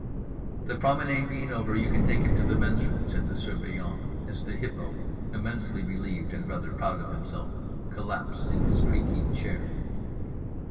"The promenade being over, you can take him to the men's room," said the Surveillant, as the Hippo (immensely relieved and rather proud of himself) collapsed in his creaking chair.